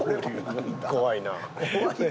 怖いな。